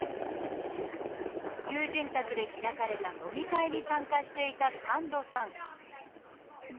友人宅で開かれた飲み会に参加していた神門さん